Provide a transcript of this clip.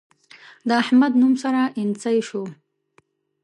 د احمد نوم سره اينڅۍ شو.